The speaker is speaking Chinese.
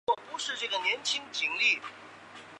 张二庄乡是中国河北省邯郸市魏县下辖的一个乡。